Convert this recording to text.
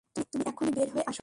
তুমি এক্ষণি বের হয়ে আসো।